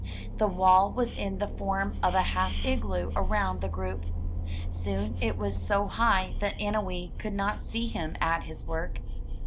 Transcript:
The wall was in the form of a half igloo around the group. Soon it was so high that Annowee could not see him at his work.